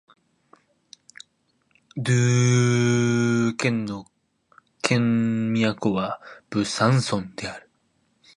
ドゥー県の県都はブザンソンである